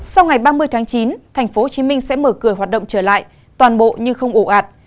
sau ngày ba mươi tháng chín tp hcm sẽ mở cửa hoạt động trở lại toàn bộ nhưng không ổ ạt